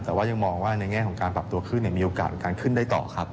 แต่ว่ายังมองว่าในแง่ของการปรับตัวขึ้นมีโอกาสการขึ้นได้ต่อครับ